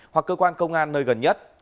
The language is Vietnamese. hoặc cơ quan công an nơi gần nhất